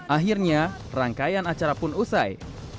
akhirnya rangkaian acara pun usai